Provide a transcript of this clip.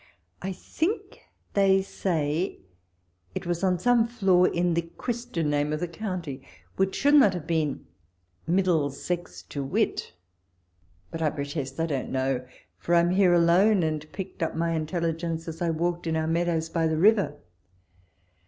I think they say it was on some flaw in the Christian name of the county, which should not have been Miil<U('srx to wit — but I protest I don't know, for I am here alone, and picked up my intelligence as I walked in our meadows by the river.